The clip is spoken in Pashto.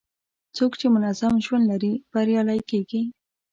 څوک چې منظم ژوند لري، بریالی کېږي.